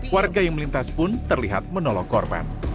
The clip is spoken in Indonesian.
warga yang melintas pun terlihat menolong korban